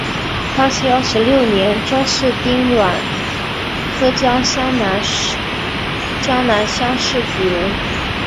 康熙二十六年中式丁卯科江南乡试举人。